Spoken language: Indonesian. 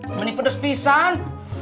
ini pedes pisang